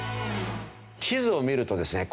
地図を見るとですね